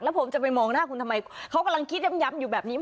ผมจะไปมองหน้าคุณทำไมเขากำลังคิดย้ำอยู่แบบนี้